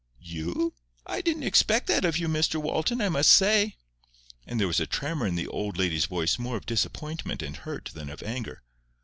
"You? I didn't expect that of you, Mr Walton, I must say." And there was a tremor in the old lady's voice more of disappointment and hurt than of anger.